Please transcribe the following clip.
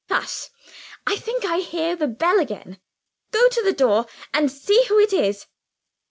Hush! I think I hear the bell again. Go to the door, and see who it is."